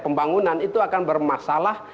pembangunan itu akan bermasalah